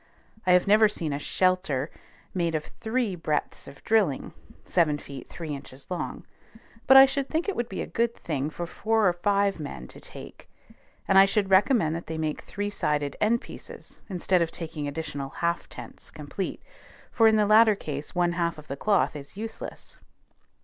I have never seen a "shelter" made of three breadths of drilling (seven feet three inches long), but I should think it would be a good thing for four or five men to take. And I should recommend that they make three sided end pieces instead of taking additional half tents complete, for in the latter case one half of the cloth is useless.